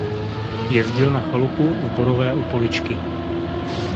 Jezdil na chalupu v Borové u Poličky.